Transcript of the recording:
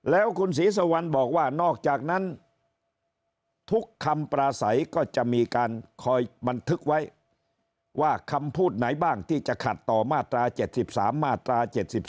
แล้วคุณศรีสุวรรณบอกว่านอกจากนั้นทุกคำปราศัยก็จะมีการคอยบันทึกไว้ว่าคำพูดไหนบ้างที่จะขัดต่อมาตรา๗๓มาตรา๗๒